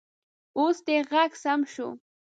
اوس دې غږ سم شو